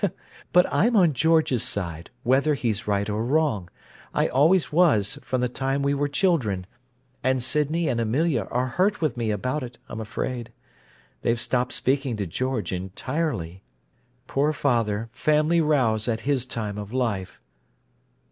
But I'm on George's side, whether he's right or wrong; I always was from the time we were children: and Sydney and Amelia are hurt with me about it, I'm afraid. They've stopped speaking to George entirely. Poor father. Family rows at his time of life."